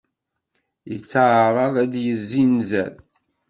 Yettεaraḍ ad yezzinzer.